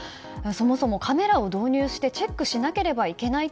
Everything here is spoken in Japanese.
そもそも、カメラを導入してチェックしなければいけない